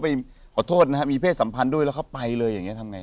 แล้วเขาไปขอโทษนะครับมีเพศสัมพัณฑ์ด้วยแล้วเขาไปเลยยังไง